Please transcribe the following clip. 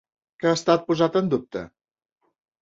Què ha estat posat en dubte?